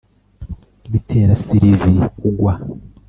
bitera sylvie kugwa. '